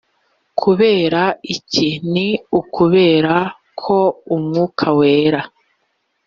kubera iki ni ukubera ko umwuka wera